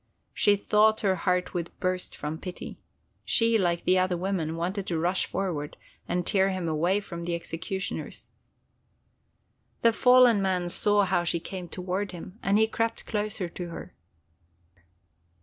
She thought her heart would burst from pity. She, like the other women, wanted to rush forward and tear him away from the executioners! The fallen man saw how she came toward him, and he crept closer to her.